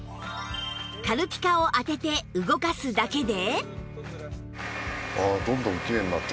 軽ピカを当てて動かすだけで